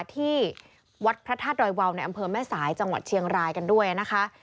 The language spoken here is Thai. ที่วัดพระธาตุดอยวาวในอำเภอแม่สายจังหวัดเชียงรายกันด้วยนะคะ